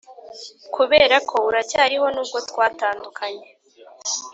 kuberako uracyariho nubwo twatandukanye.